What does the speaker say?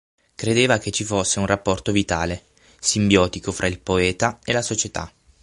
Credeva che ci fosse un rapporto vitale, simbiotico fra il poeta e la società.